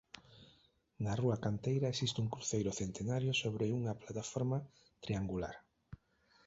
Na rúa Canteira existe un cruceiro centenario sobre unha plataforma triangular.